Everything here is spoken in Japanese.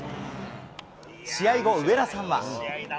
試合後、上田さんは。